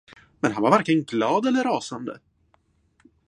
Men han var varken glad eller rasande.